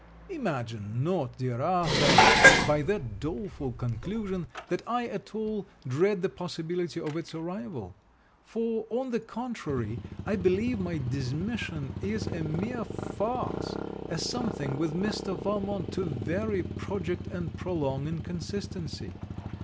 Imagine not, dear Arthur, by that doleful conclusion that I at all dread the possibility of its arrival; for, on the contrary, I believe my dismission is a mere farce, a something with Mr. Valmont to vary project and prolong inconsistency.